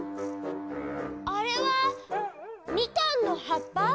あれはみかんのはっぱ？